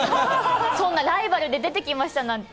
そんなライバルで出てきましたなんて。